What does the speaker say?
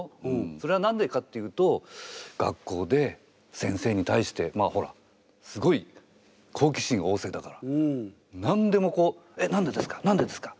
それは何でかっていうと学校で先生に対してまあほらすごい好奇心旺盛だから何でもこう「えっ何でですか？